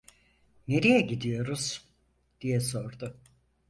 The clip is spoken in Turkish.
"Nereye gidiyoruz?" diye sordu.